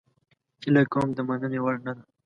هیله کوم د مننې وړ نه ده.